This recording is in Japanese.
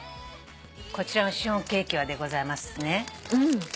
こちらのシフォンケーキはでございますね。